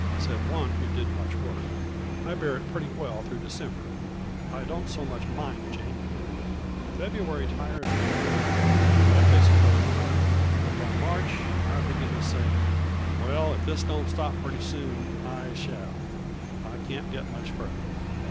Said one who did much work, "I bear it pretty well through December. I don't so much mind January. February tires me a little; but I face it bravely. But by March I begin to say, 'Well, if this don't stop pretty soon, I shall: I can't get much farther.'"